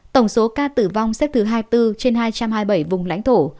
tổng số ca tử vong xếp thứ hai mươi bốn trên hai trăm hai mươi bảy vùng lãnh thổ